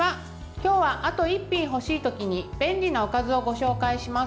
今日は、あと一品欲しい時に便利なおかずをご紹介します。